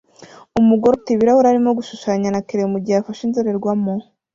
Umugore ufite ibirahure arimo gushushanya na crayons mugihe afashe indorerwamo